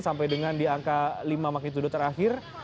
sampai dengan di angka lima magnitudo terakhir